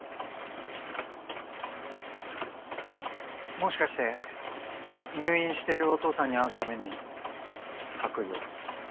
もしかして入院しているお父さんに会うために白衣を？